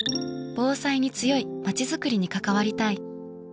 防災に強いまちづくりに関わりたい。